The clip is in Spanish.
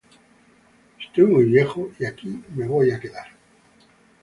Estoy muy viejo y aquí voy a quedar.